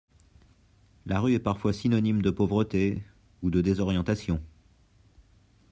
La rue est parfois synonyme de pauvreté, ou de désorientation.